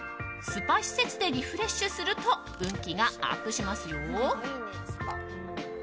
スパ施設でリフレッシュすると運気がアップしますよ。